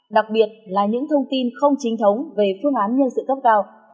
đặc biệt là những thông tin không chính thống về phương án nhân sự cấp cao